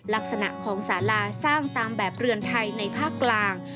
ลักษณะของสาลาสร้างตามแบบเรือนไทยในภาคกลาง